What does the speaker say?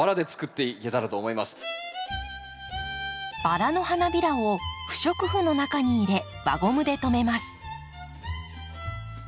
バラの花びらを不織布の中に入れ輪ゴムで留めます。